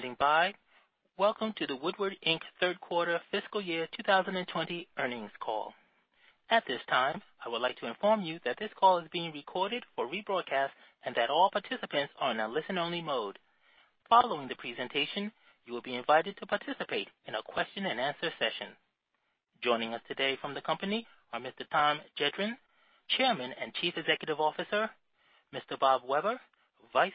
Thank you for standing by. Welcome to the Woodward, Inc. Q3 Fiscal Year 2020 Earnings Call. At this time, I would like to inform you that this call is being recorded for rebroadcast, and that all participants are in a listen-only mode. Following the presentation, you will be invited to participate in a question-and-answer session. Joining us today from the company are Mr. Tom Gendron, Chairman and Chief Executive Officer, Mr. Bob Weber, Vice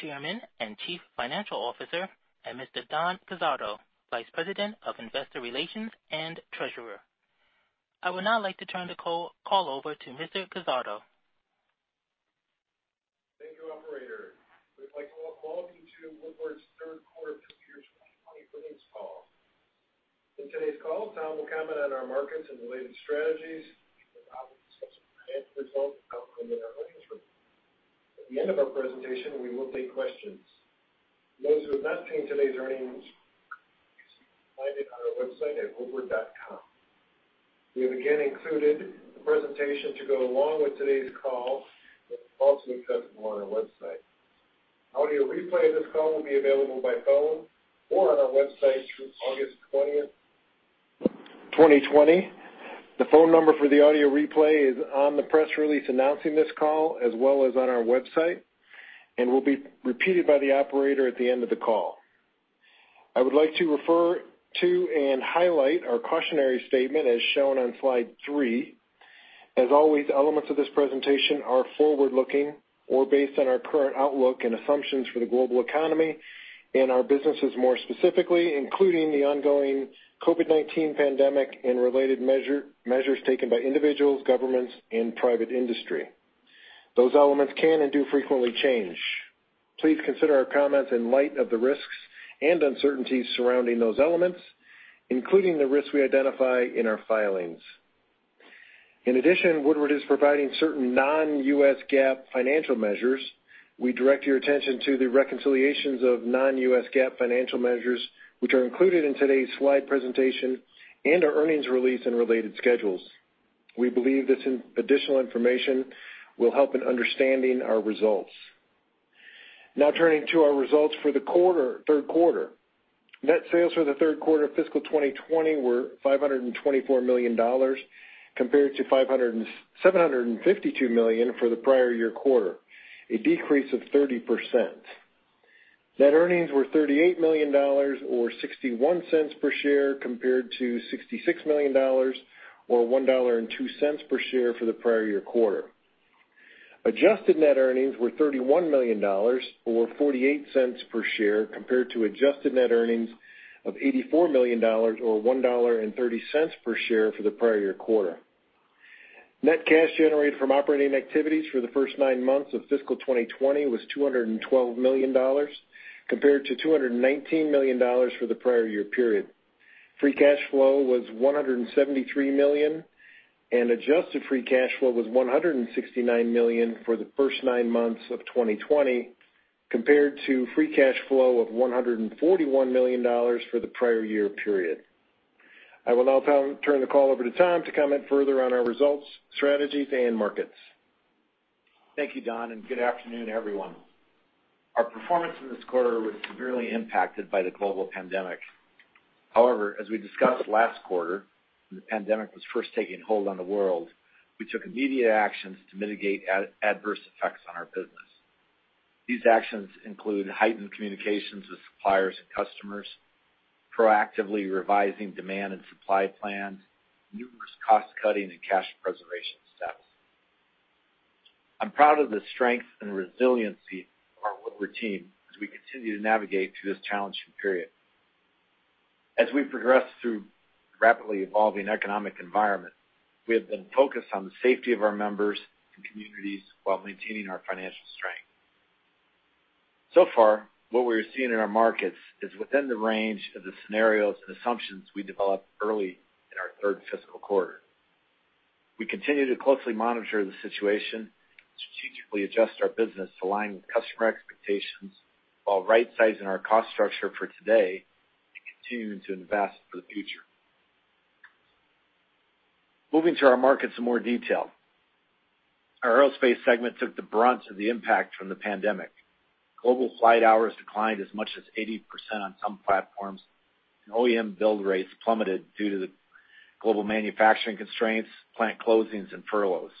Chairman and Chief Financial Officer, and Mr. Don Guzzardo, Vice President of Investor Relations and Treasurer. I would now like to turn the call over to Mr. Guzzardo. Thank you, operator. We'd like to welcome all of you to Woodward's Q3 Fiscal year 2020 Earnings Call. In today's call, Tom will comment on our markets and related strategies, and Bob will discuss the financial results outlined within our earnings report. At the end of our presentation, we will take questions. Those who have not seen today's earnings, you can find it on our website at woodward.com. We have again included the presentation to go along with today's call, which is also accessible on our website. Audio replay of this call will be available by phone or on our website through August 20th, 2020. The phone number for the audio replay is on the press release announcing this call, as well as on our website, and will be repeated by the operator at the end of the call. I would like to refer to and highlight our cautionary statement as shown on slide 3. As always, elements of this presentation are forward-looking or based on our current outlook and assumptions for the global economy and our businesses more specifically, including the ongoing COVID-19 pandemic and related measures taken by individuals, governments, and private industry. Those elements can and do frequently change. Please consider our comments in light of the risks and uncertainties surrounding those elements, including the risks we identify in our filings. In addition, Woodward is providing certain non-US GAAP financial measures. We direct your attention to the reconciliations of non-US GAAP financial measures, which are included in today's slide presentation and our earnings release and related schedules. We believe this additional information will help in understanding our results. Now turning to our results for Q3. Net sales for the Q3 of fiscal 2020 were $524 million compared to $752 million for the prior year quarter, a decrease of 30%. Net earnings were $38 million, or $0.61 per share, compared to $66 million, or $1.02 per share for the prior year quarter. Adjusted net earnings were $31 million, or $0.48 per share, compared to adjusted net earnings of $84 million or $1.30 per share for the prior year quarter. Net cash generated from operating activities for the first nine months of fiscal 2020 was $212 million compared to $219 million for the prior year period. Free cash flow was $173 million, and adjusted free cash flow was $169 million for the first nine months of 2020 compared to free cash flow of $141 million for the prior year period. I will now turn the call over to Tom to comment further on our results, strategies, and markets. Thank you, Don. Good afternoon, everyone. Our performance in this quarter was severely impacted by the global pandemic. As we discussed last quarter, when the pandemic was first taking hold on the world, we took immediate actions to mitigate adverse effects on our business. These actions include heightened communications with suppliers and customers, proactively revising demand and supply plans, numerous cost-cutting and cash preservation steps. I'm proud of the strength and resiliency of our Woodward team as we continue to navigate through this challenging period. As we progress through rapidly evolving economic environment, we have been focused on the safety of our members and communities while maintaining our financial strength. So far, what we're seeing in our markets is within the range of the scenarios and assumptions we developed early in our fiscal Q3. We continue to closely monitor the situation and strategically adjust our business to align with customer expectations while rightsizing our cost structure for today and continue to invest for the future. Moving to our markets in more detail. Our aerospace segment took the brunt of the impact from the pandemic. Global flight hours declined as much as 80% on some platforms, and OEM build rates plummeted due to the global manufacturing constraints, plant closings, and furloughs.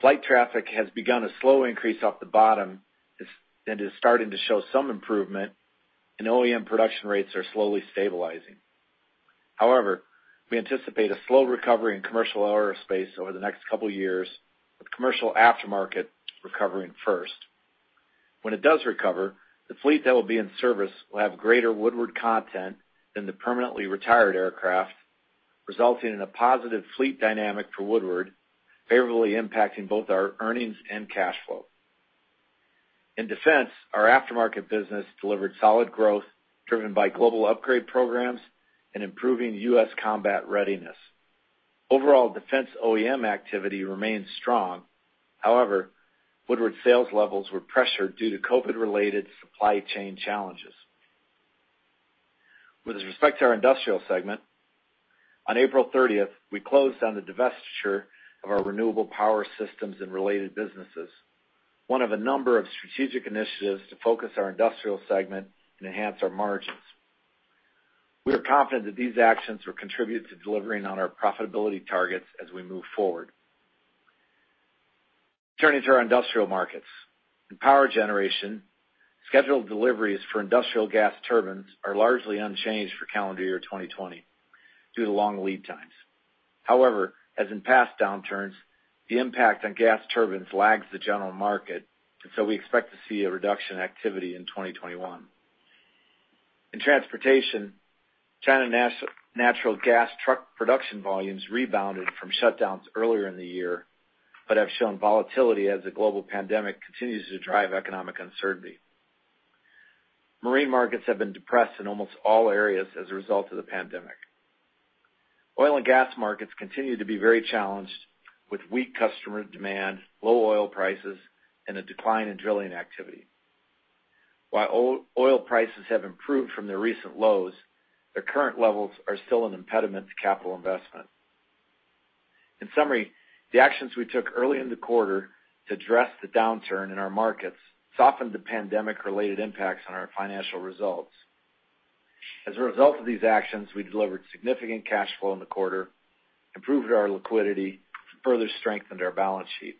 Flight traffic has begun a slow increase off the bottom and is starting to show some improvement, and OEM production rates are slowly stabilizing. However, we anticipate a slow recovery in commercial aerospace over the next couple of years, with commercial aftermarket recovering first. When it does recover, the fleet that will be in service will have greater Woodward content than the permanently retired aircraft, resulting in a positive fleet dynamic for Woodward, favorably impacting both our earnings and cash flow. In defense, our aftermarket business delivered solid growth driven by global upgrade programs and improving U.S. combat readiness. Overall, defense OEM activity remains strong. However, Woodward sales levels were pressured due to COVID-related supply chain challenges. With respect to our industrial segment, on April 30th, we closed on the divestiture of our Renewable Power Systems and related businesses, one of a number of strategic initiatives to focus our industrial segment and enhance our margins. We are confident that these actions will contribute to delivering on our profitability targets as we move forward. Turning to our industrial markets. In power generation, scheduled deliveries for industrial gas turbines are largely unchanged for calendar year 2020 due to long lead times. However, as in past downturns, the impact on gas turbines lags the general market, and so we expect to see a reduction in activity in 2021. In transportation, China natural gas truck production volumes rebounded from shutdowns earlier in the year, but have shown volatility as the global pandemic continues to drive economic uncertainty. Marine markets have been depressed in almost all areas as a result of the pandemic. Oil and gas markets continue to be very challenged with weak customer demand, low oil prices, and a decline in drilling activity. While oil prices have improved from their recent lows, the current levels are still an impediment to capital investment. In summary, the actions we took early in the quarter to address the downturn in our markets softened the pandemic-related impacts on our financial results. As a result of these actions, we delivered significant cash flow in the quarter, improved our liquidity, and further strengthened our balance sheet.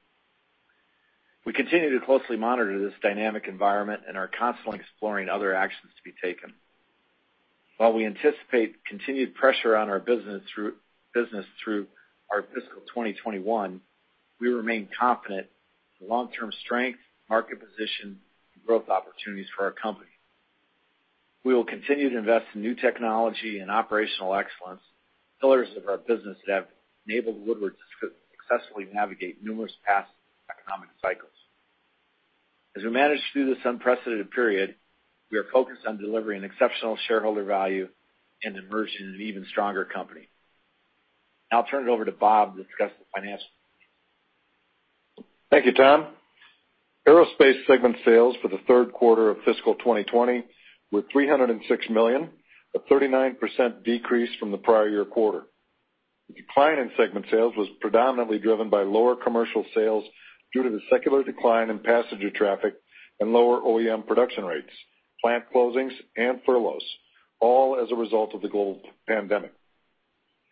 We continue to closely monitor this dynamic environment and are constantly exploring other actions to be taken. While we anticipate continued pressure on our business through our fiscal 2021, we remain confident in the long-term strength, market position, and growth opportunities for our company. We will continue to invest in new technology and operational excellence, pillars of our business that have enabled Woodward to successfully navigate numerous past economic cycles. As we manage through this unprecedented period, we are focused on delivering exceptional shareholder value and emerging an even stronger company. Now I'll turn it over to Bob to discuss the financials. Thank you, Tom. Aerospace segment sales for the Q3 of fiscal 2020 were $306 million, a 39% decrease from the prior year quarter. The decline in segment sales was predominantly driven by lower commercial sales due to the secular decline in passenger traffic and lower OEM production rates, plant closings, and furloughs, all as a result of the global pandemic.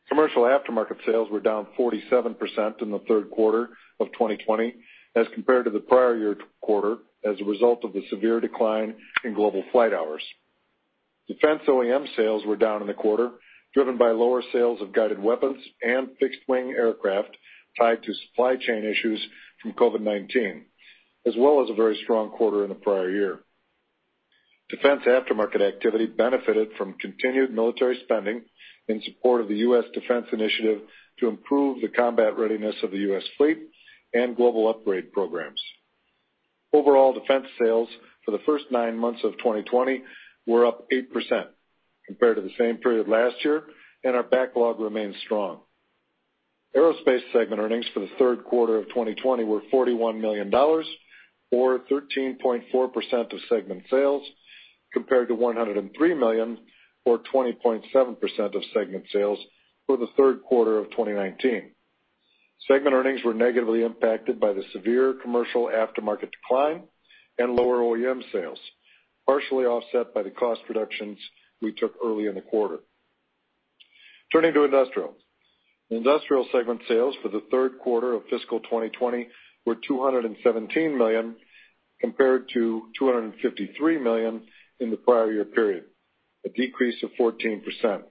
Commercial aftermarket sales were down 47% in the Q3 of 2020 as compared to the prior year quarter, as a result of the severe decline in global flight hours. Defense OEM sales were down in the quarter, driven by lower sales of guided weapons and fixed-wing aircraft tied to supply chain issues from COVID-19, as well as a very strong quarter in the prior year. Defense aftermarket activity benefited from continued military spending in support of the U.S. defense initiative to improve the combat readiness of the U.S. fleet and global upgrade programs. Overall, defense sales for the first nine months of 2020 were up 8% compared to the same period last year, and our backlog remains strong. Aerospace segment earnings for the Q3 of 2020 were $41 million, or 13.4% of segment sales, compared to $103 million, or 20.7% of segment sales for the Q3 of 2019. Segment earnings were negatively impacted by the severe commercial aftermarket decline and lower OEM sales, partially offset by the cost reductions we took early in the quarter. Turning to Industrial. Industrial segment sales for the Q3 of fiscal 2020 were $217 million compared to $253 million in the prior year period, a decrease of 14%.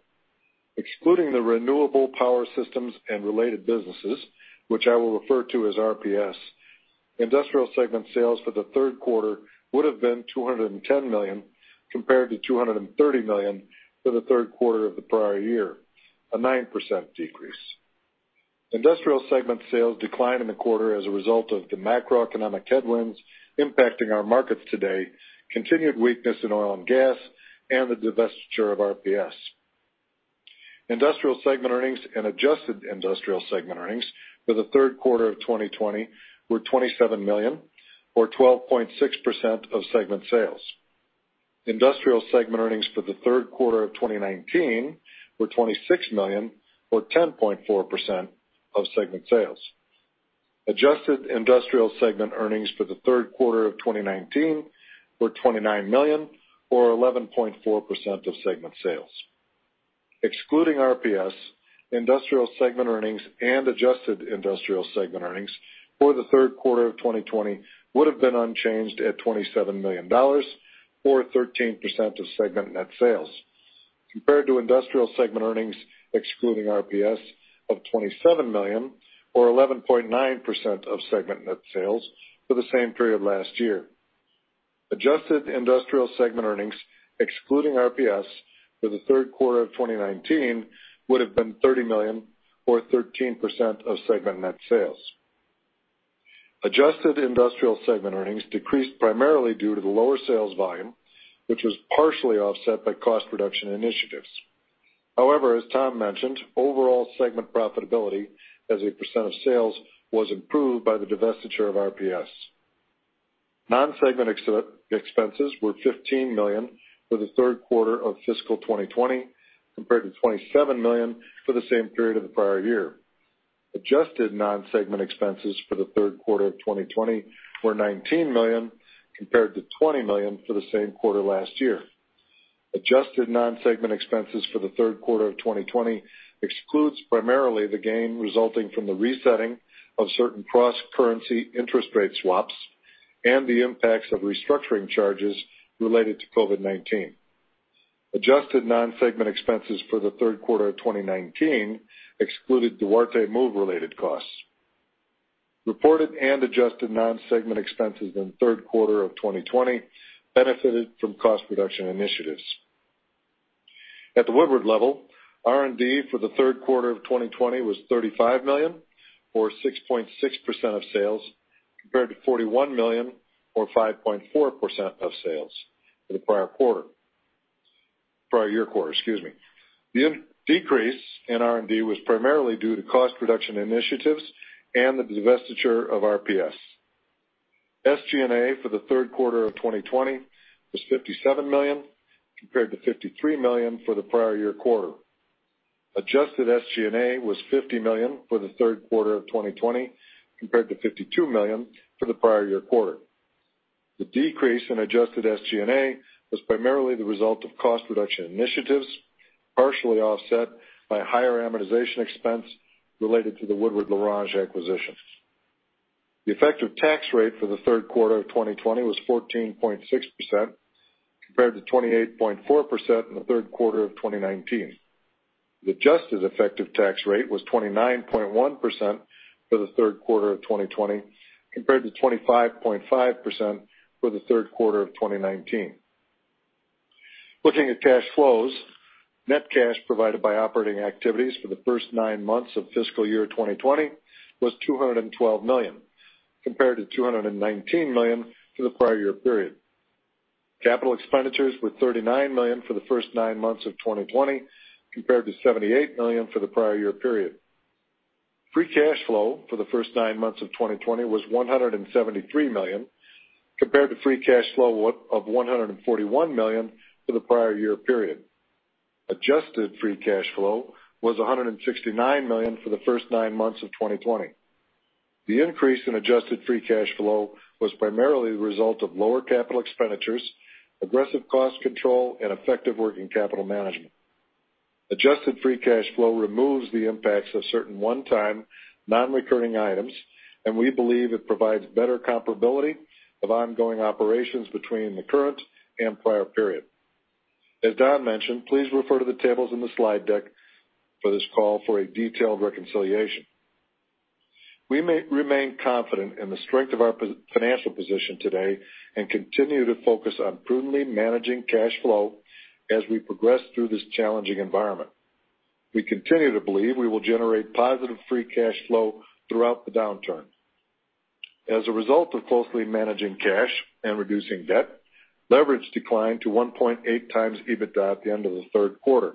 Excluding the renewable power systems and related businesses, which I will refer to as RPS, industrial segment sales for Q3 would've been $210 million compared to $230 million for Q3 of the prior year, a 9% decrease. Industrial segment sales declined in the quarter as a result of the macroeconomic headwinds impacting our markets today, continued weakness in oil and gas, and the divestiture of RPS. Industrial segment earnings and adjusted industrial segment earnings for Q3 2020 were $27 million, or 12.6% of segment sales. Industrial segment earnings for Q3 2019 were $26 million, or 10.4% of segment sales. Adjusted industrial segment earnings for Q3 2019 were $29 million, or 11.4% of segment sales. Excluding RPS, industrial segment earnings and adjusted industrial segment earnings for the Q3 of 2020 would've been unchanged at $27 million, or 13% of segment net sales, compared to industrial segment earnings excluding RPS of $27 million, or 11.9% of segment net sales for the same period last year. Adjusted industrial segment earnings excluding RPS for the Q3 of 2019 would've been $30 million, or 13% of segment net sales. Adjusted industrial segment earnings decreased primarily due to the lower sales volume, which was partially offset by cost reduction initiatives. However, as Tom mentioned, overall segment profitability as a % of sales was improved by the divestiture of RPS. Non-segment expenses were $15 million for the Q3 of fiscal 2020 compared to $27 million for the same period of the prior year. Adjusted non-segment expenses for the Q3 of 2020 were $19 million compared to $20 million for the same quarter last year. Adjusted non-segment expenses for the Q3 of 2020 excludes primarily the gain resulting from the resetting of certain cross-currency interest rate swaps and the impacts of restructuring charges related to COVID-19. Adjusted non-segment expenses for the Q3 of 2019 excluded Duarte Move-related costs. Reported and adjusted non-segment expenses in the Q3 of 2020 benefited from cost reduction initiatives. At the Woodward level, R&D for the Q3 of 2020 was $35 million, or 6.6% of sales, compared to $41 million, or 5.4% of sales, for the prior year quarter. The decrease in R&D was primarily due to cost reduction initiatives and the divestiture of RPS. SG&A for the Q3 of 2020 was $57 million compared to $53 million for the prior year quarter. Adjusted SG&A was $50 million for the Q3 of 2020 compared to $52 million for the prior year quarter. The decrease in adjusted SG&A was primarily the result of cost reduction initiatives, partially offset by higher amortization expense related to the Woodward L'Orange acquisition. The effective tax rate for the Q3 of 2020 was 14.6% compared to 28.4% in the Q3 of 2019. The adjusted effective tax rate was 29.1% for the Q3 of 2020 compared to 25.5% for the Q3 of 2019. Looking at cash flows, net cash provided by operating activities for the first nine months of fiscal year 2020 was $212 million compared to $219 million for the prior year period. Capital expenditures were $39 million for the first nine months of 2020 compared to $78 million for the prior year period. Free cash flow for the first nine months of 2020 was $173 million compared to free cash flow of $141 million for the prior year period. Adjusted free cash flow was $169 million for the first nine months of 2020. The increase in adjusted free cash flow was primarily the result of lower capital expenditures, aggressive cost control, and effective working capital management. Adjusted free cash flow removes the impacts of certain one-time non-recurring items, and we believe it provides better comparability of ongoing operations between the current and prior period. As Don mentioned, please refer to the tables in the slide deck for this call for a detailed reconciliation. We remain confident in the strength of our financial position today and continue to focus on prudently managing cash flow as we progress through this challenging environment. We continue to believe we will generate positive free cash flow throughout the downturn. As a result of closely managing cash and reducing debt, leverage declined to 1.8x EBITDA at the end of the Q3.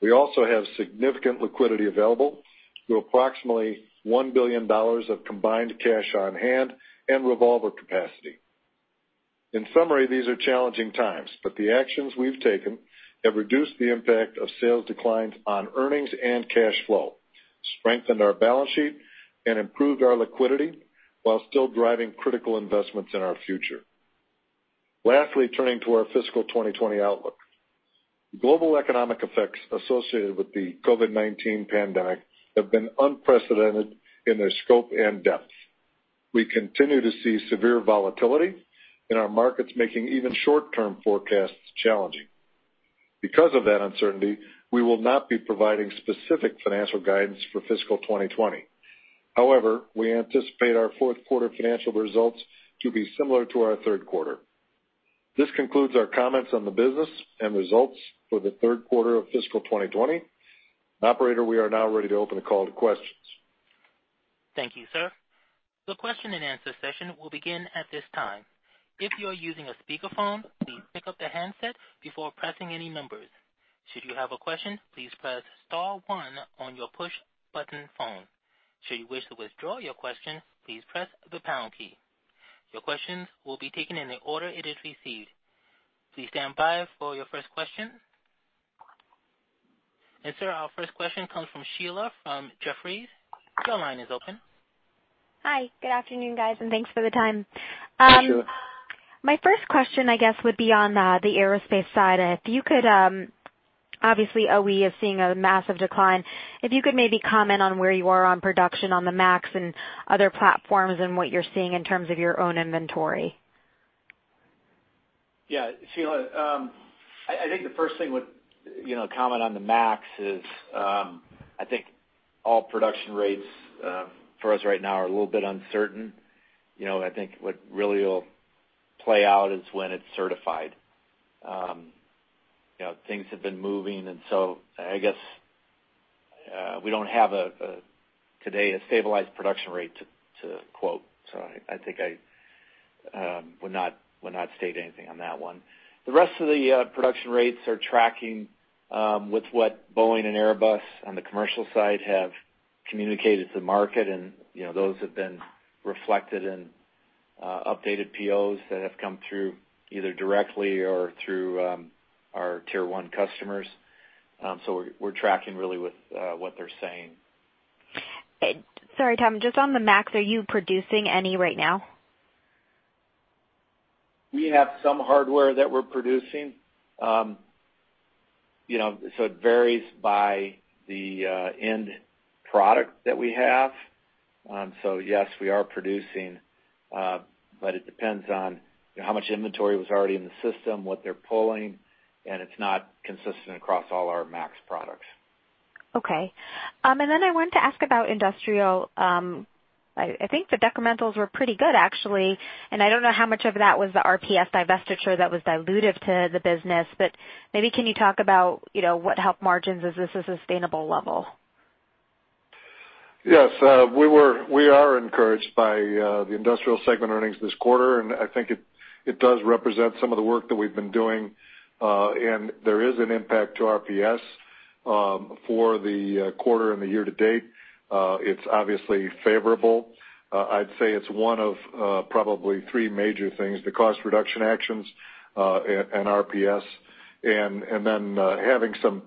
We also have significant liquidity available through approximately $1 billion of combined cash on hand and revolver capacity. In summary, these are challenging times, but the actions we've taken have reduced the impact of sales declines on earnings and cash flow, strengthened our balance sheet, and improved our liquidity while still driving critical investments in our future. Lastly, turning to our fiscal 2020 outlook. Global economic effects associated with the COVID-19 pandemic have been unprecedented in their scope and depth. We continue to see severe volatility in our markets, making even short-term forecasts challenging. Because of that uncertainty, we will not be providing specific financial guidance for fiscal 2020. However, we anticipate our Q4 financial results to be similar to our Q3. This concludes our comments on the business and results for the Q3 of fiscal 2020. Operator, we are now ready to open the call to questions. Thank you, sir. The question-and-answer session will begin at this time. Our first question comes from Sheila from Jefferies. Your line is open. Hi, good afternoon, guys, and thanks for the time. My first question, I guess, would be on the aerospace side. Obviously, OE is seeing a massive decline. If you could maybe comment on where you are on production on the MAX and other platforms and what you're seeing in terms of your own inventory. Yeah, Sheila, I think the first thing would comment on the MAX is, I think all production rates, for us right now are a little bit uncertain. I think what really will play out is when it's certified. Things have been moving, I guess, we don't have today a stabilized production rate to quote. I think I would not state anything on that one. The rest of the production rates are tracking with what Boeing and Airbus on the commercial side have Communicated to the market, those have been reflected in updated POs that have come through either directly or through our Tier 1 customers. We're tracking really with what they're saying. Sorry, Tom, just on the MAX, are you producing any right now? We have some hardware that we're producing. It varies by the end product that we have. Yes, we are producing, but it depends on how much inventory was already in the system, what they're pulling, and it's not consistent across all our MAX products. Okay. I wanted to ask about industrial. I think the decrementals were pretty good, actually. I don't know how much of that was the RPS divestiture that was dilutive to the business, but maybe can you talk about what helped margins? Is this a sustainable level? Yes. We are encouraged by the industrial segment earnings this quarter, I think it does represent some of the work that we've been doing. There is an impact to RPS for the quarter and the year to date. It's obviously favorable. I'd say it's one of probably three major things, the cost reduction actions and RPS, and then having some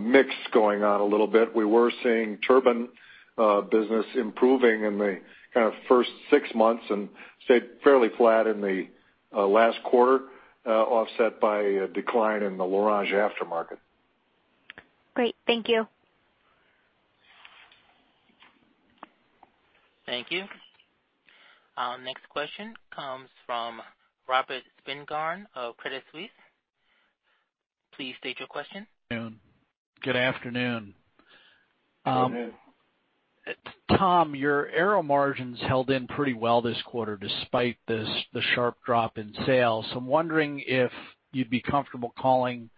mix going on a little bit. We were seeing turbine business improving in the kind of first six months and stayed fairly flat in the last quarter, offset by a decline in the L'Orange aftermarket. Great. Thank you. Thank you. Next question comes from Robert Spingarn of Credit Suisse. Please state your question. Good afternoon. Tom, your Aero margins held in pretty well this quarter despite the sharp drop in sales. I'm wondering if you'd be comfortable calling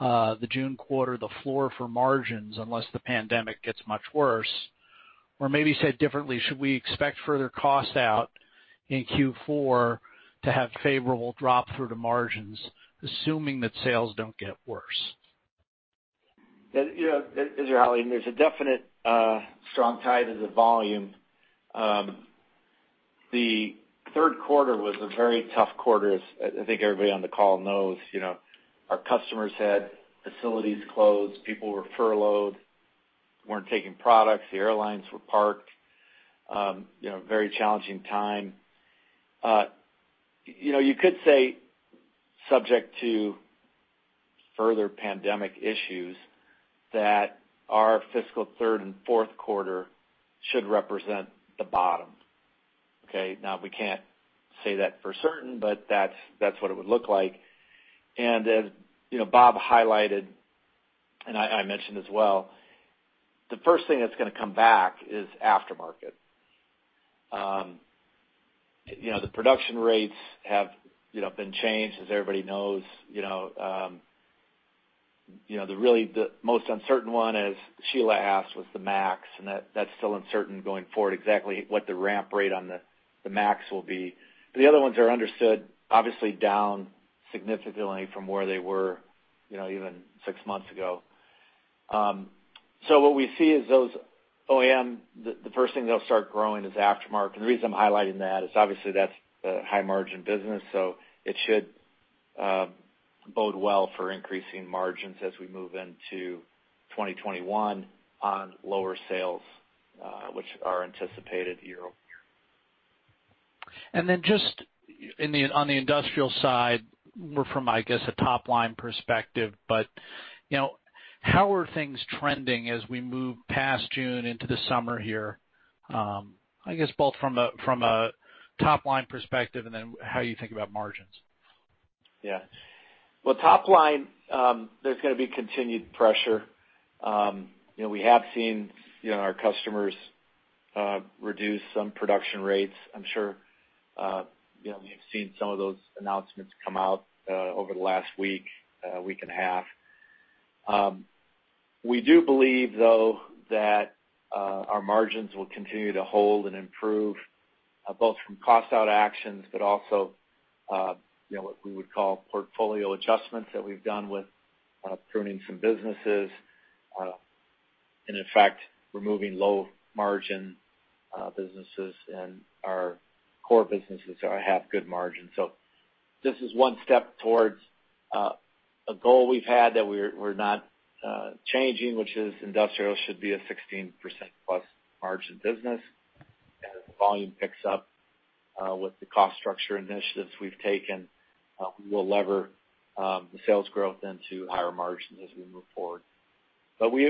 the June quarter the floor for margins, unless the pandemic gets much worse? Maybe said differently, should we expect further costs out in Q4 to have favorable drop through to margins, assuming that sales don't get worse? You know, there's a definite strong tie to the volume. The Q3 was a very tough quarter, as I think everybody on the call knows. Our customers had facilities closed, people were furloughed, weren't taking products. The airlines were parked. Very challenging time. You could say, subject to further pandemic issues, that our fiscal Q3 and Q4 should represent the bottom. Okay. Now, we can't say that for certain, but that's what it would look like. As Bob highlighted, and I mentioned as well, the first thing that's going to come back is aftermarket. The production rates have been changed, as everybody knows. The really most uncertain one, as Sheila asked, was the MAX, and that's still uncertain going forward, exactly what the ramp rate on the MAX will be. The other ones are understood, obviously down significantly from where they were even 6 months ago. What we see is those OEM, the first thing they'll start growing is aftermarket. The reason I'm highlighting that is obviously that's the high margin business, so it should bode well for increasing margins as we move into 2021 on lower sales, which are anticipated year-over-year. Just on the industrial side, more from, I guess, a top line perspective, but how are things trending as we move past June into the summer here? I guess both from a top line perspective, and then how you think about margins? Well, top line, there's going to be continued pressure. We have seen our customers reduce some production rates. I'm sure you've seen some of those announcements come out over the last week and a half. We do believe, though, that our margins will continue to hold and improve, both from cost out actions, but also, what we would call portfolio adjustments that we've done with pruning some businesses. In fact, removing low margin businesses, and our core businesses have good margins. This is one step towards a goal we've had that we're not changing, which is industrial should be a 16% plus margin business. As the volume picks up with the cost structure initiatives we've taken, we will lever the sales growth into higher margins as we move forward. There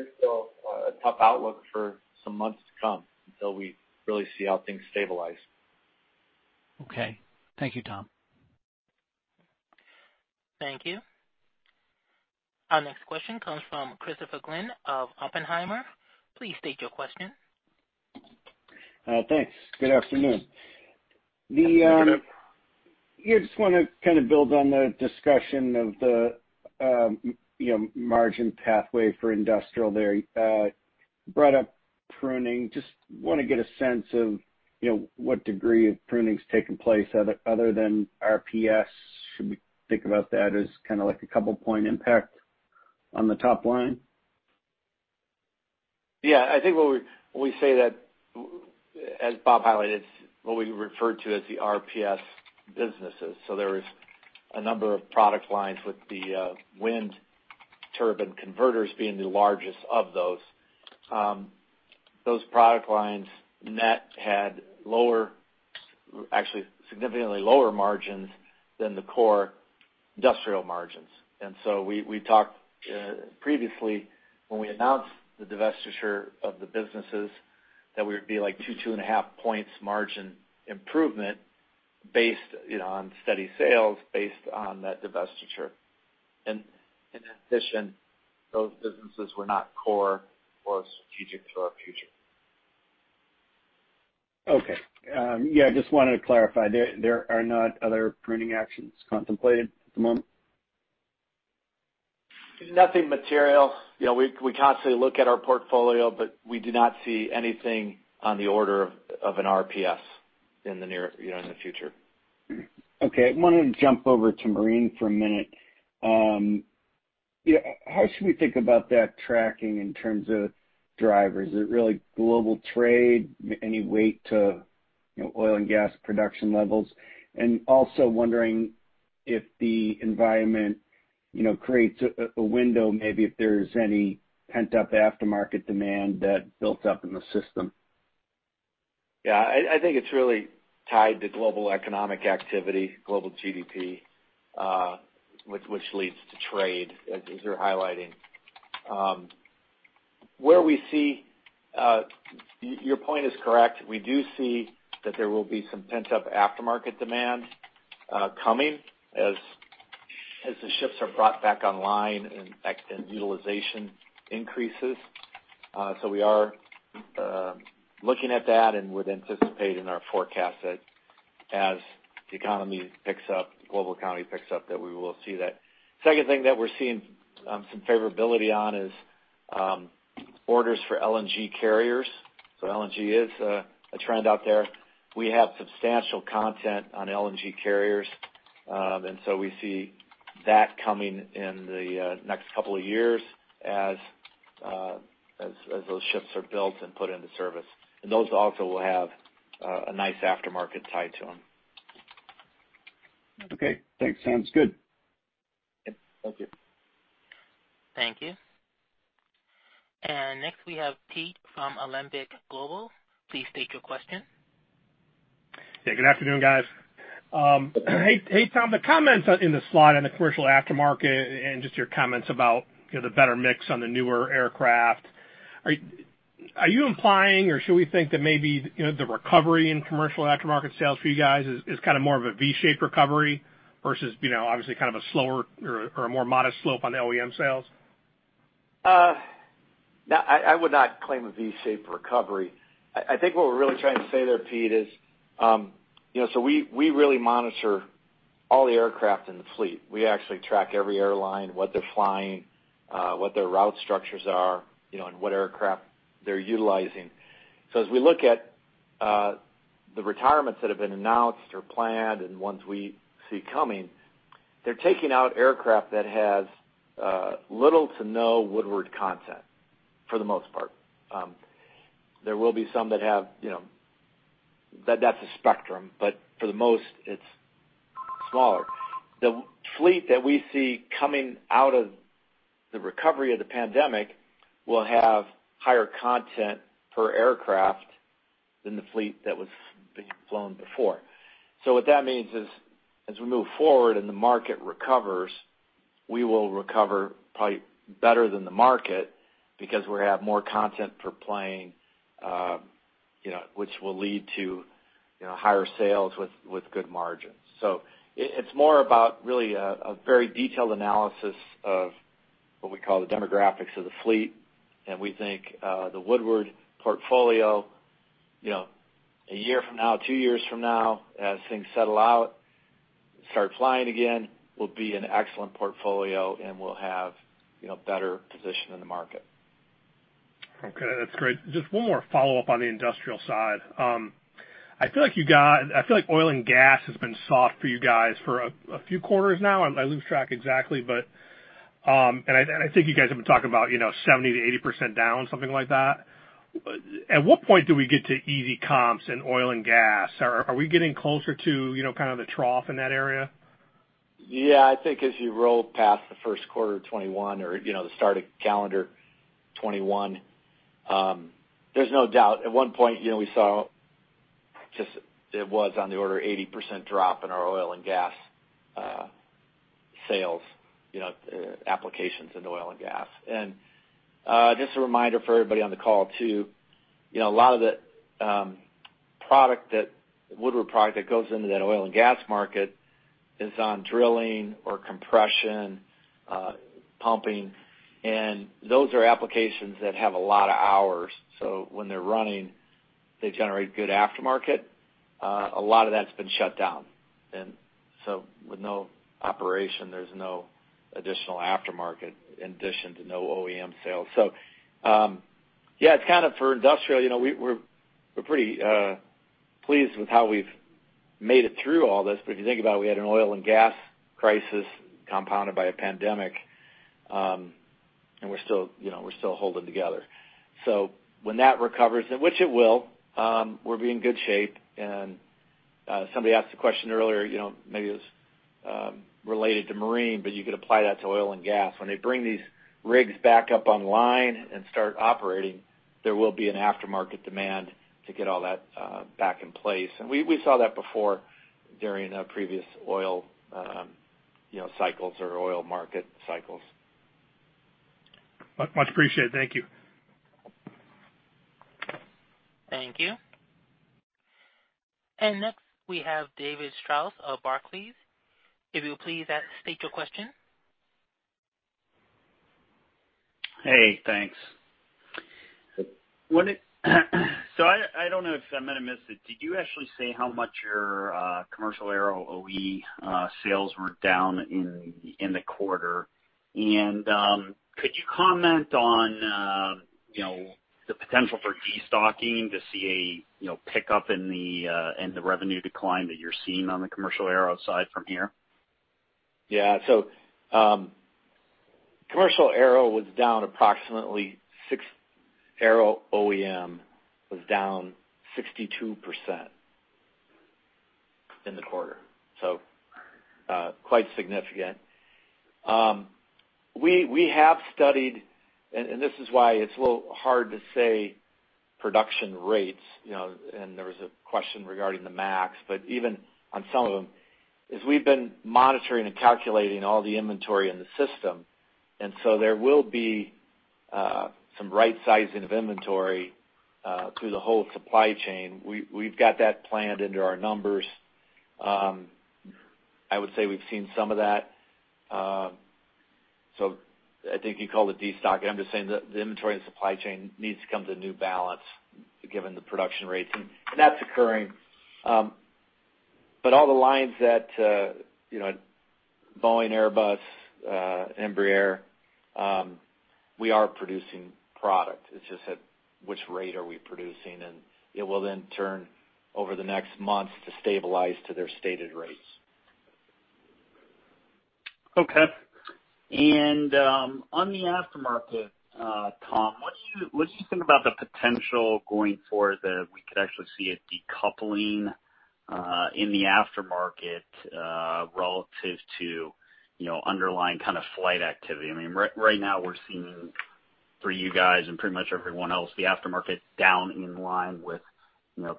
is still a tough outlook for some months to come until we really see how things stabilize. Okay. Thank you, Tom. Thank you. Our next question comes from Christopher Glynn of Oppenheimer. Please state your question. Thanks. Good afternoon. Yeah, just want to kind of build on the discussion of the margin pathway for industrial there brought up pruning. Just want to get a sense of what degree of pruning is taking place other than RPS. Should we think about that as a couple point impact on the top line? Yeah, I think when we say that, as Bob highlighted, what we refer to as the RPS businesses. There was a number of product lines with the wind turbine converters being the largest of those. Those product lines net had actually significantly lower margins than the core industrial margins. We talked previously when we announced the divestiture of the businesses that we would be like two and a half points margin improvement based on steady sales, based on that divestiture. In addition, those businesses were not core or strategic to our future. Okay. Yeah, just wanted to clarify, there are not other pruning actions contemplated at the moment? Nothing material. We constantly look at our portfolio. We do not see anything on the order of an RPS in the future. Okay. I wanted to jump over to marine for a minute. How should we think about that tracking in terms of drivers? Is it really global trade? Any weight to oil and gas production levels? Also wondering if the environment creates a window, maybe if there's any pent-up aftermarket demand that built up in the system. I think it's really tied to global economic activity, global GDP, which leads to trade, as you're highlighting. Your point is correct. We do see that there will be some pent-up aftermarket demand coming as the ships are brought back online and utilization increases. We are looking at that and would anticipate in our forecast that as the global economy picks up, that we will see that. Second thing that we're seeing some favorability on is orders for LNG carriers. LNG is a trend out there. We have substantial content on LNG carriers, and so we see that coming in the next couple of years as those ships are built and put into service. Those also will have a nice aftermarket tied to them. Okay, thanks. Sounds good. Thank you. Thank you. Next we have Pete Skibitski from Alembic Global. Please state your question. Yeah, good afternoon, guys. Hey, Tom, the comments in the slide on the commercial aftermarket and just your comments about the better mix on the newer aircraft, are you implying, or should we think that maybe the recovery in commercial aftermarket sales for you guys is more of a V-shaped recovery versus, obviously, a slower or a more modest slope on the OEM sales? I would not claim a V-shaped recovery. I think what we're really trying to say there, Pete, is we really monitor all the aircraft in the fleet. We actually track every airline, what they're flying, what their route structures are, and what aircraft they're utilizing. As we look at the retirements that have been announced or planned and ones we see coming, they're taking out aircraft that has little to no Woodward content, for the most part. There will be some that have. That's a spectrum, but for the most, it's smaller. The fleet that we see coming out of the recovery of the pandemic will have higher content per aircraft than the fleet that was being flown before. What that means is, as we move forward and the market recovers, we will recover probably better than the market because we have more content per plane which will lead to higher sales with good margins. It's more about really a very detailed analysis of what we call the demographics of the fleet. We think the Woodward portfolio, a year from now, two years from now, as things settle out, start flying again, will be an excellent portfolio and will have better position in the market. Okay, that's great. Just one more follow-up on the industrial side. I feel like oil and gas has been soft for you guys for a few quarters now. I lose track exactly. I think you guys have been talking about 70%-80% down, something like that. At what point do we get to easy comps in oil and gas? Are we getting closer to the trough in that area? Yeah, I think as you roll past the Q1 of 2021 or the start of calendar 2021, there's no doubt. At one point, we saw it was on the order of 80% drop in our oil and gas sales, applications in oil and gas. Just a reminder for everybody on the call, too. A lot of the Woodward product that goes into that oil and gas market is on drilling or compression, pumping. Those are applications that have a lot of hours, so when they're running, they generate good aftermarket. A lot of that's been shut down. With no operation, there's no additional aftermarket in addition to no OEM sales. For industrial, we're pretty pleased with how we've made it through all this. If you think about it, we had an oil and gas crisis compounded by a pandemic, and we're still holding together. When that recovers, which it will, we'll be in good shape. Somebody asked a question earlier, maybe it was related to marine, but you could apply that to oil and gas. When they bring these rigs back up online and start operating, there will be an aftermarket demand to get all that back in place. We saw that before during previous oil cycles or oil market cycles. Much appreciated. Thank you. Thank you. next we have David Strauss of Barclays. If you'll please state your question. Hey, thanks. I don't know if I might have missed it. Did you actually say how much your commercial aero OE sales were down in the quarter? Could you comment on the potential for destocking to see a pickup in the revenue decline that you're seeing on the commercial aero side from here? Yeah. Aero OEM was down 62% in the quarter. Quite significant. We have studied, and this is why it's a little hard to say production rates, and there was a question regarding the MAX, but even on some of them, we've been monitoring and calculating all the inventory in the system. There will be some right sizing of inventory through the whole supply chain. We've got that planned into our numbers. I would say we've seen some of that. I think you call it destocking. I'm just saying the inventory and supply chain needs to come to new balance given the production rates, and that's occurring. All the lines at Boeing, Airbus, Embraer, we are producing product. It's just at which rate are we producing? It will then turn over the next months to stabilize to their stated rates. On the aftermarket, Tom, what do you think about the potential going forward that we could actually see a decoupling in the aftermarket relative to underlying kind of flight activity? Right now we're seeing for you guys and pretty much everyone else, the aftermarket down in line with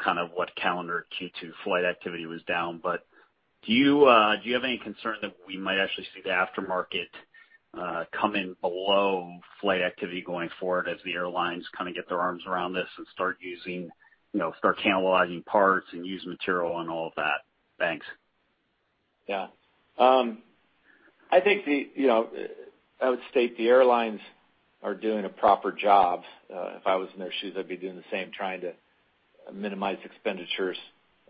kind of what calendar Q2 flight activity was down. Do you have any concern that we might actually see the aftermarket come in below flight activity going forward as the airlines kind of get their arms around this and start cannibalizing parts and use material and all of that? Thanks. Yeah. I would state the airlines are doing a proper job. If I was in their shoes, I'd be doing the same, trying to minimize expenditures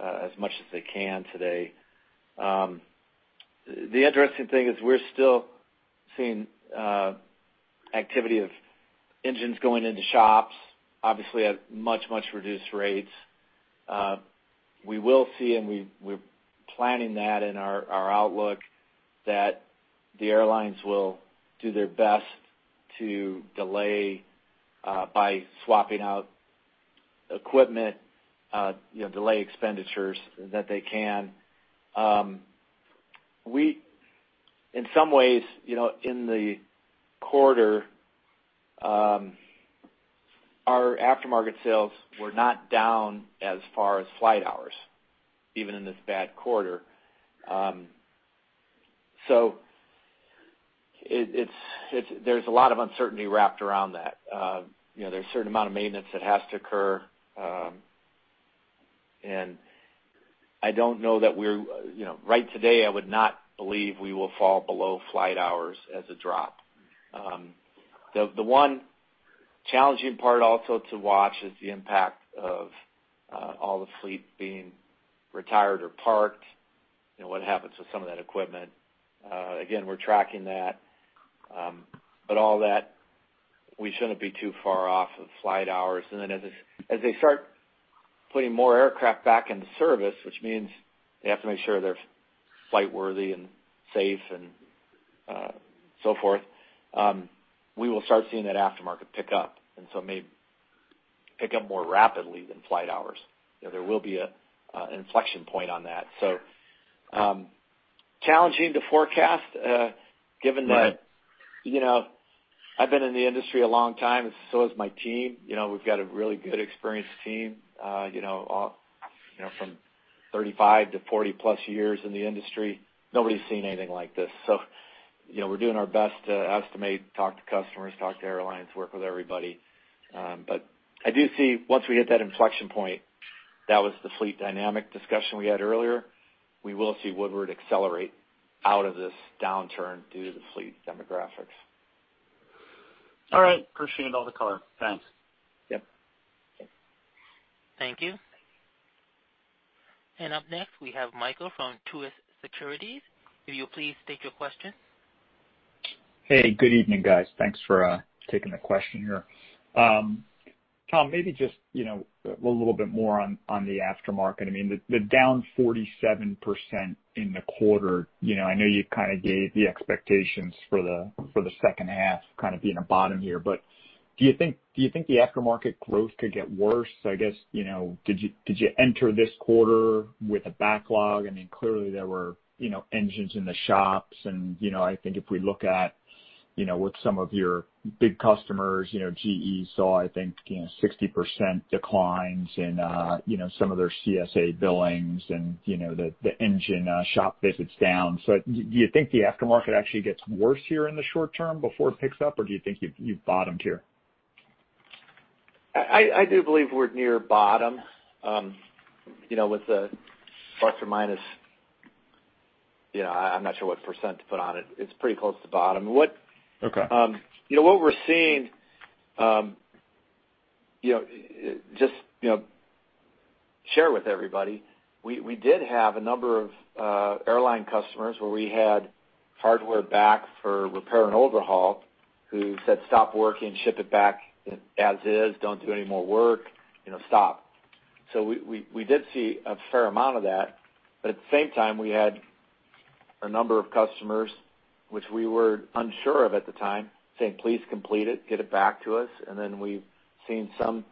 as much as they can today. The interesting thing is we're still seeing activity of engines going into shops, obviously at much, much reduced rates. We will see, and we're planning that in our outlook, that the airlines will do their best to delay by swapping out equipment, delay expenditures that they can. In some ways, in the quarter, our aftermarket sales were not down as far as flight hours, even in this bad quarter. There's a lot of uncertainty wrapped around that. There's a certain amount of maintenance that has to occur. I don't know that right today, I would not believe we will fall below flight hours as a drop. The one challenging part also to watch is the impact of all the fleet being retired or parked. What happens with some of that equipment? Again, we're tracking that. All that, we shouldn't be too far off of flight hours. As they start putting more aircraft back into service, which means they have to make sure they're flight worthy and safe and so forth, we will start seeing that aftermarket pick up. It may pick up more rapidly than flight hours. There will be an inflection point on that. Challenging to forecast given that I've been in the industry a long time, and so has my team. We've got a really good experienced team, from 35 to 40 plus years in the industry. Nobody's seen anything like this. We're doing our best to estimate, talk to customers, talk to airlines, work with everybody. I do see once we hit that inflection point, that was the fleet dynamic discussion we had earlier, we will see Woodward accelerate out of this downturn due to the fleet demographics. All right. Appreciate all the color. Thanks. Yep. Thank you. Up next, we have Michael Ciarmoli from Truist Securities. Will you please state your question? Hey, good evening, guys. Thanks for taking the question here. Tom, I mean, maybe just a little bit more on the aftermarket. I mean, the down 47% in the quarter. I know you kind of gave the expectations for the second half kind of being a bottom here. Do you think the aftermarket growth could get worse? I guess, did you enter this quarter with a backlog? I mean, clearly there were engines in the shops. I think if we look at with some of your big customers, GE saw, I think, 60% declines in some of their CSA billings and the engine shop visits down. Do you think the aftermarket actually gets worse here in the short term before it picks up, or do you think you've bottomed here? I do believe we're near bottom with the ±, I'm not sure what % to put on it. It's pretty close to bottom. What we're seeing, just share with everybody, we did have a number of airline customers where we had hardware back for repair and overhaul who said, "Stop working, ship it back as is. Don't do any more work. Stop." We did see a fair amount of that, but at the same time, we had a number of customers, which we were unsure of at the time, saying, "Please complete it, get it back to us." Then we've seen some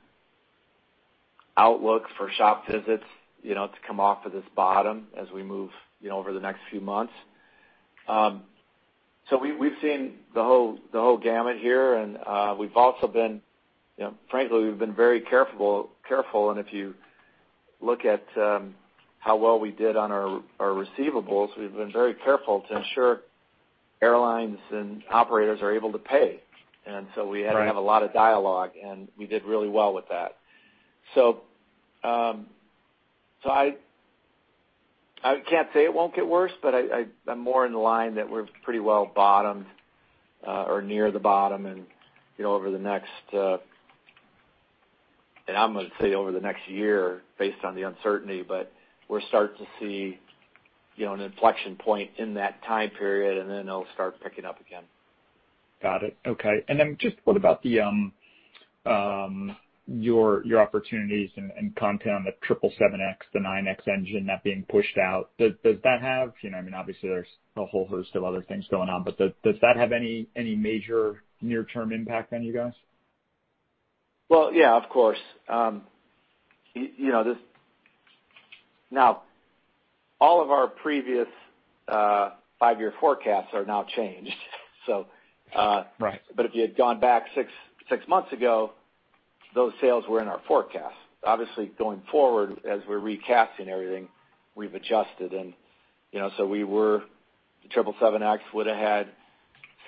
outlook for shop visits to come off of this bottom as we move over the next few months. We've seen the whole gamut here, and we've also been, frankly, we've been very careful. If you look at how well we did on our receivables, we've been very careful to ensure airlines and operators are able to pay. So we have a lot of dialogue, and we did really well with that. I can't say it won't get worse, but I'm more in line that we're pretty well bottomed, or near the bottom, and I'm going to say over the next year based on the uncertainty, but we'll start to see an inflection point in that time period, and then it'll start picking up again. Got it. Okay. Just what about your opportunities and content on the 777X, the GE9X engine not being pushed out? Obviously there's a whole host of other things going on, but does that have any major near term impact on you guys? Well, yeah, of course. Now, all of our previous five-year forecasts are now changed. If you had gone back six months ago, those sales were in our forecast. Obviously, going forward, as we're recasting everything, we've adjusted and so the 777X would've had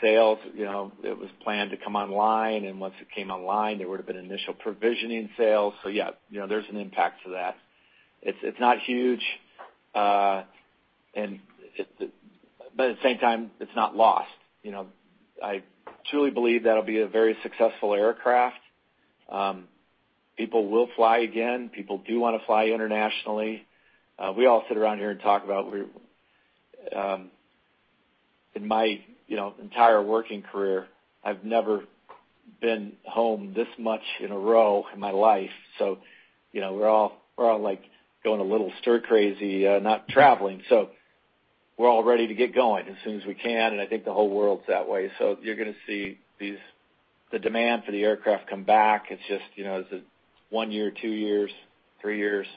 sales. It was planned to come online, and once it came online, there would've been initial provisioning sales. Yeah, there's an impact to that. It's not huge, but at the same time, it's not lost. I truly believe that'll be a very successful aircraft. People will fly again. People do want to fly internationally. We all sit around here and talk about, in my entire working career, I've never been home this much in a row in my life, so we're all going a little stir crazy not traveling. We're all ready to get going as soon as we can, and I think the whole world's that way. You're going to see the demand for the aircraft come back. It's just, is it one year, two years, three years?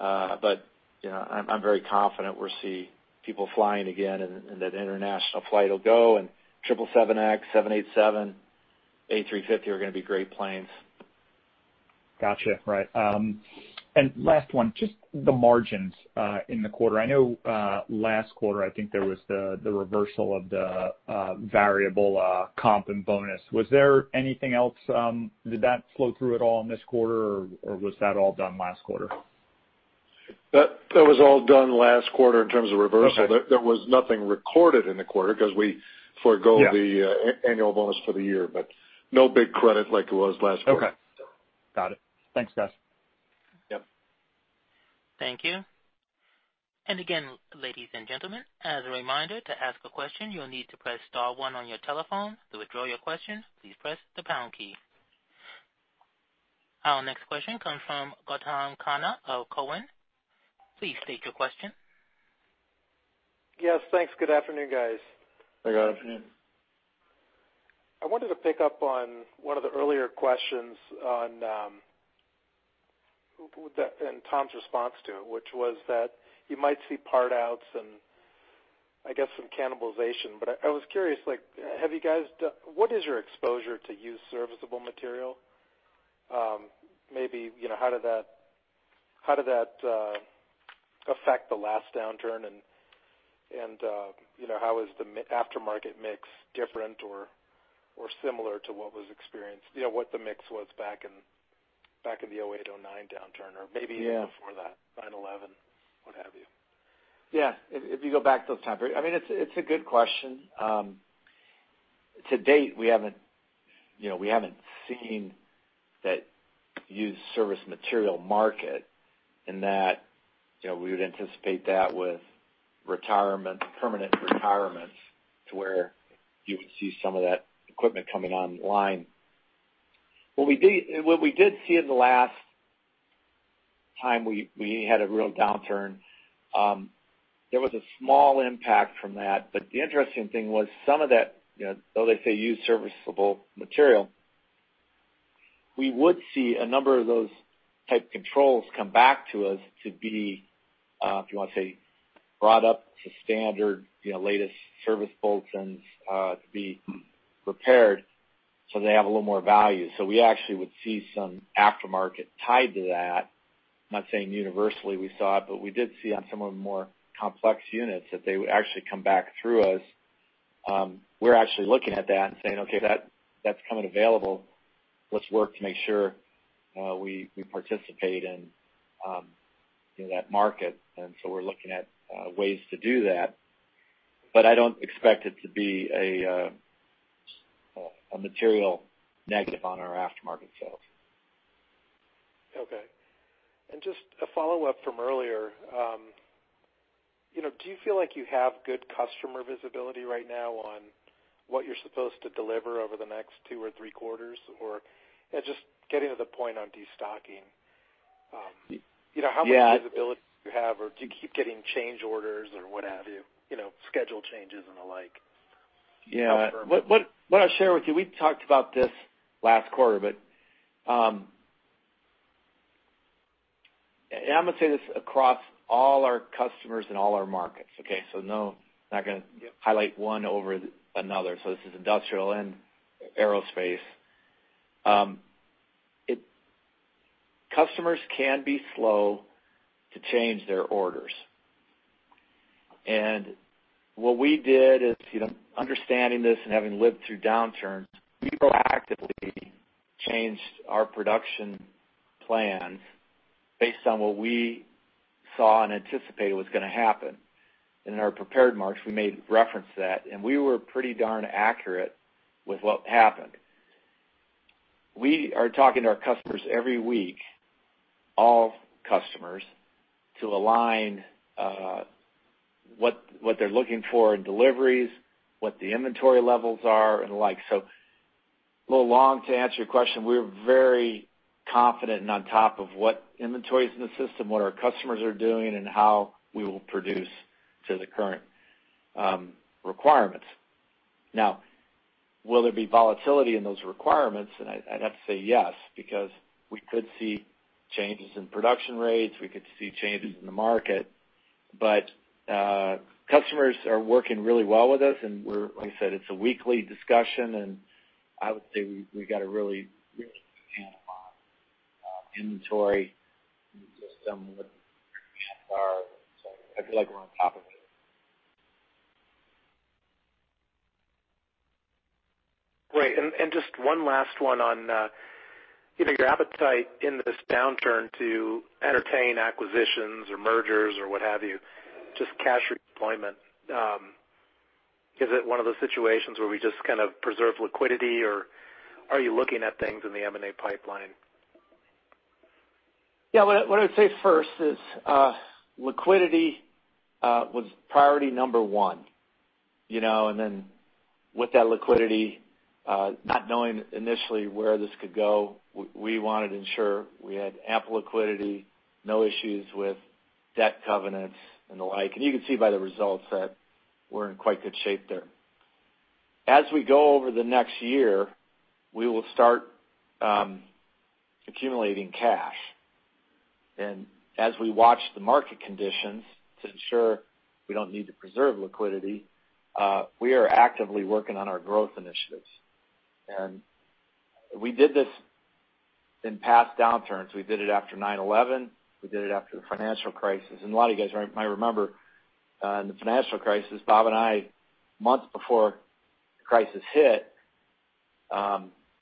I'm very confident we'll see people flying again and that international flight will go and 777X, 787, A350 are going to be great planes. Got you. Right. Last one, just the margins in the quarter. I know last quarter, I think there was the reversal of the variable comp and bonus. Was there anything else, did that flow through at all in this quarter, or was that all done last quarter? That was all done last quarter in terms of reversal. There was nothing recorded in the quarter because we forego the annual bonus for the year, but no big credit like it was last quarter. Okay. Got it. Thanks, guys. Thank you. Again, ladies and gentlemen, as a reminder to ask a question, you'll need to press *1 on your telephone. To withdraw your question, please press the # key. Our next question comes from Gautam Khanna of Cowen. Please state your question. Yes, thanks. Good afternoon, guys. Hey, Gautam. I wanted to pick up on one of the earlier questions and Tom's response to it, which was that you might see part outs and I guess some cannibalization. I was curious, what is your exposure to used serviceable material? Maybe how did that affect the last downturn, and how is the aftermarket mix different or similar to what was experienced, what the mix was back in the 2008, 2009 downturn? Or maybe even before that, 9/11, what have you? Yeah. If you go back to those time periods, it's a good question. To date, we haven't seen that used serviceable material market in that we would anticipate that with permanent retirements to where you would see some of that equipment coming online. What we did see in the last time we had a real downturn, there was a small impact from that, but the interesting thing was some of that, though they say used serviceable material, we would see a number of those type controls come back to us to be, if you want to say, brought up to standard, latest service bulletins to be repaired, so they have a little more value. We actually would see some aftermarket tied to that. I'm not saying universally we saw it, but we did see on some of the more complex units that they would actually come back through us. We're actually looking at that and saying, "Okay, that's coming available. Let's work to make sure we participate in that market." We're looking at ways to do that. I don't expect it to be a material negative on our aftermarket sales. Okay. Just a follow-up from earlier, do you feel like you have good customer visibility right now on what you're supposed to deliver over the next two or three quarters? Or just getting to the point on destocking. How much visibility do you have, or do you keep getting change orders or what have you, schedule changes and the like? Yeah. What I'll share with you, we talked about this last quarter. I'm going to say this across all our customers and all our markets, okay? I'm not going to highlight one over another. This is industrial and aerospace. Customers can be slow to change their orders. What we did is, understanding this and having lived through downturns, we proactively changed our production plans based on what we saw and anticipated was going to happen. In our prepared remarks, we made reference to that, and we were pretty darn accurate with what happened. We are talking to our customers every week, all customers, to align what they're looking for in deliveries, what the inventory levels are and the like. A little long to answer your question. We are very confident and on top of what inventory's in the system, what our customers are doing, and how we will produce to the current requirements. Will there be volatility in those requirements? I'd have to say yes, because we could see changes in production rates, we could see changes in the market. Customers are working really well with us, and like I said, it's a weekly discussion, and I would say we got a really, really good handle on inventory in the system with where the counts are. I feel like we're on top of it. Great. Just one last one on your appetite in this downturn to entertain acquisitions or mergers or what have you. Just cash deployment, is it one of those situations where we just kind of preserve liquidity, or are you looking at things in the M&A pipeline? Yeah. What I would say first is liquidity was priority number one. Then with that liquidity, not knowing initially where this could go, we wanted to ensure we had ample liquidity, no issues with debt covenants and the like. You can see by the results that we're in quite good shape there. As we go over the next year, we will start accumulating cash. As we watch the market conditions to ensure we don't need to preserve liquidity, we are actively working on our growth initiatives. We did this in past downturns. We did it after 9/11. We did it after the financial crisis. A lot of you guys might remember, in the financial crisis, Bob and I, months before the crisis hit,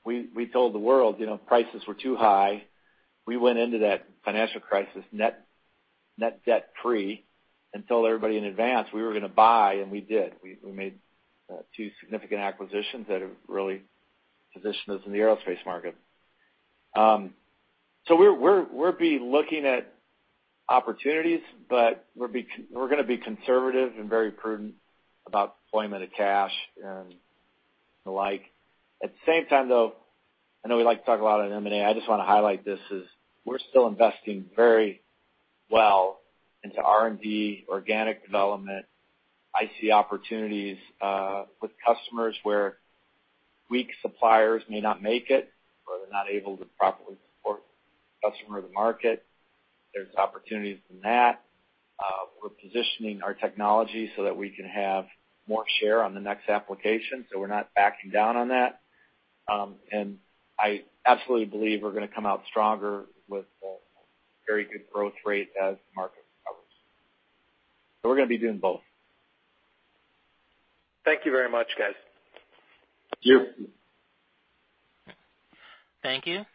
we told the world prices were too high. We went into that financial crisis net debt free and told everybody in advance we were going to buy, and we did. We made two significant acquisitions that have really positioned us in the aerospace market. We'll be looking at opportunities, but we're going to be conservative and very prudent about deployment of cash and the like. At the same time, though, I know we like to talk a lot on M&A. I just want to highlight this as we're still investing very well into R&D, organic development. I see opportunities with customers where weak suppliers may not make it, or they're not able to properly support the customer or the market. There's opportunities in that. We're positioning our technology so that we can have more share on the next application, so we're not backing down on that. I absolutely believe we're going to come out stronger with a very good growth rate as the market recovers. We're going to be doing both. Thank you very much, guys. Thank you. Thank you.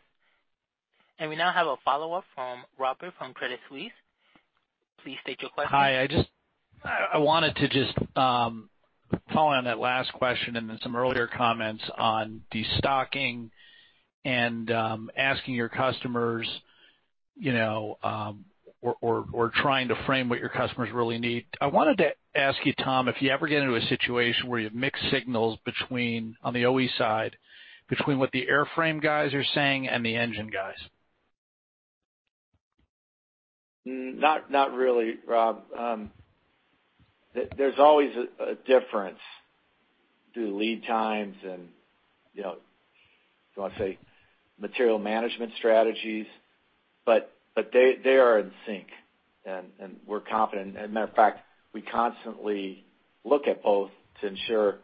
We now have a follow-up from Robert Spingarn from Credit Suisse. Please state your question. Hi. I wanted to just follow on that last question and then some earlier comments on destocking and asking your customers or trying to frame what your customers really need. I wanted to ask you, Tom, if you ever get into a situation where you have mixed signals on the OE side, between what the airframe guys are saying and the engine guys. Not really, Robert. There's always a difference, the lead times and do I say material management strategies. They are in sync, and we're confident. Matter of fact, we constantly look at both to ensure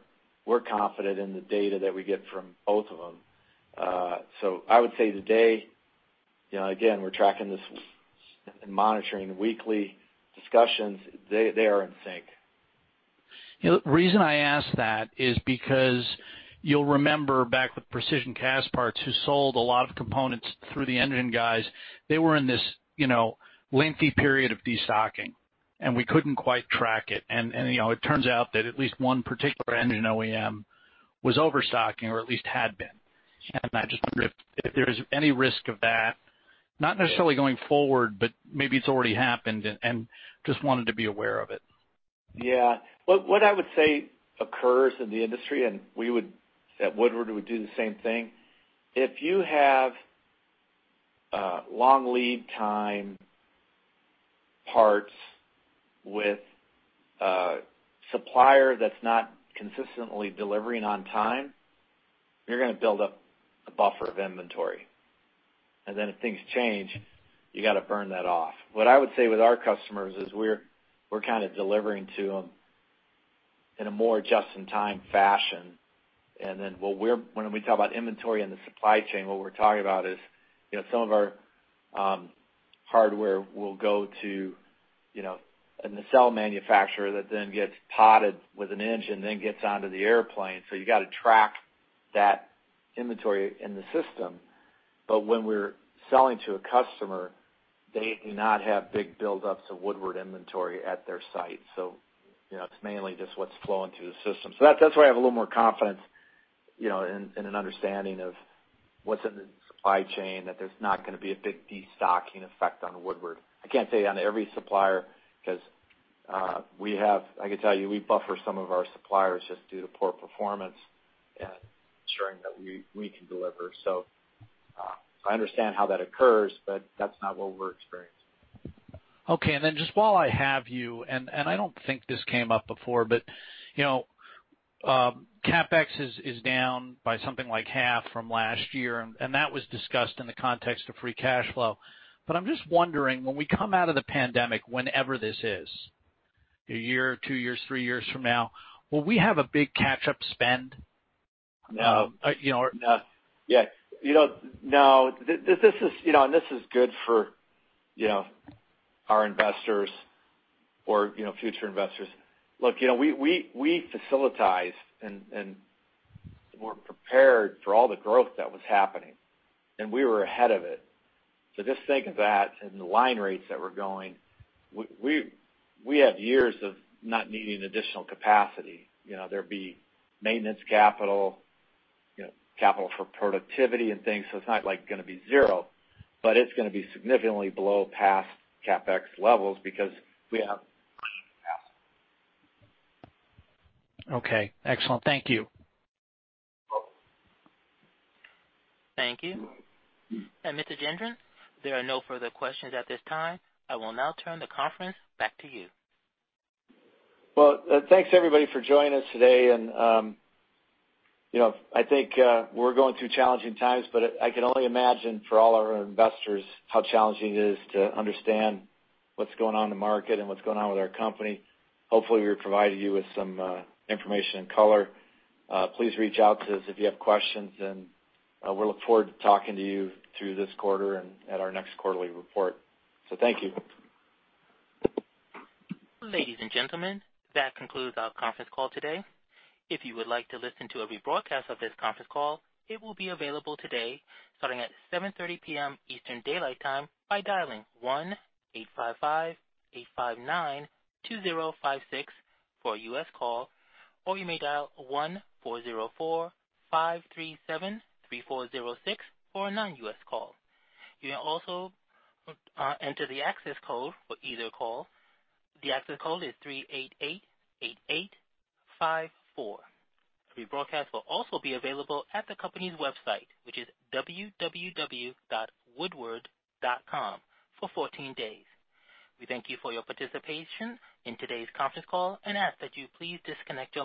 we're confident in the data that we get from both of them. I would say today, again, we're tracking this and monitoring weekly discussions. They are in sync. The reason I ask that is because you'll remember back with Precision Castparts, who sold a lot of components through the engine guys, they were in this lengthy period of destocking, and we couldn't quite track it. It turns out that at least one particular engine OEM was overstocking, or at least had been. I just wonder if there is any risk of that, not necessarily going forward, but maybe it's already happened and just wanted to be aware of it. Yeah. What I would say occurs in the industry, and we at Woodward would do the same thing. If you have long lead time parts with a supplier that's not consistently delivering on time, you're going to build up a buffer of inventory. Then if things change, you got to burn that off. What I would say with our customers is we're kind of delivering to them in a more just-in-time fashion. Then when we talk about inventory in the supply chain, what we're talking about is some of our hardware will go to a nacelle manufacturer that then gets podded with an engine, then gets onto the airplane. You got to track that inventory in the system. When we're selling to a customer, they do not have big buildups of Woodward inventory at their site. It's mainly just what's flowing through the system. That's why I have a little more confidence and an understanding of what's in the supply chain, that there's not going to be a big destocking effect on Woodward. I can't say on every supplier, because I could tell you, we buffer some of our suppliers just due to poor performance and ensuring that we can deliver. I understand how that occurs, but that's not what we're experiencing. Okay. Just while I have you, and I don't think this came up before, but CapEx is down by something like half from last year, and that was discussed in the context of free cash flow. I'm just wondering, when we come out of the pandemic, whenever this is, a year, two years, three years from now, will we have a big catch-up spend? No. This is good for our investors or future investors. Look, we facilitized and were prepared for all the growth that was happening, and we were ahead of it. Just think of that and the line rates that were going, we have years of not needing additional capacity. There'd be maintenance capital for productivity and things. It's not like going to be zero, but it's going to be significantly below past CapEx levels because we have. Okay. Excellent. Thank you. Thank you. Mr. Gendron, there are no further questions at this time. I will now turn the conference back to you. Well, thanks, everybody, for joining us today. I think we're going through challenging times, but I can only imagine for all our investors how challenging it is to understand what's going on in the market and what's going on with our company. Hopefully, we're providing you with some information and color. Please reach out to us if you have questions, and we look forward to talking to you through this quarter and at our next quarterly report. Thank you. Ladies and gentlemen, that concludes our conference call today. If you would like to listen to a rebroadcast of this conference call, it will be available today starting at 7:30 P.M. Eastern Daylight Time by dialing 1-855-859-2056 for a U.S. call, or you may dial 1-404-537-3406 for a non-U.S. call. You may also enter the access code for either call. The access code is 3888854. Rebroadcast will also be available at the company's website, which is www.woodward.com, for 14 days. We thank you for your participation in today's conference call and ask that you please disconnect your line.